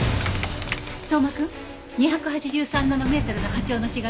相馬くん２８３ナノメートルの波長の紫外線を照射して。